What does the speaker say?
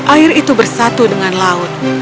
air itu bersatu dengan laut